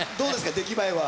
出来栄えは。